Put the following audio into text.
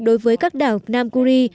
đối với các đảo nam kuri